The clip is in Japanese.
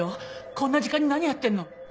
こんな時間に何やってんの？